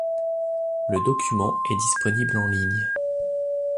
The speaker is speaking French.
Le document est disponible en ligne.